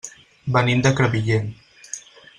Venim de Crevillent.